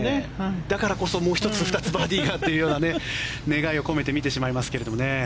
だからこそ、もう１つ２つバーディーがという願いを込めて見てしまいますけどね。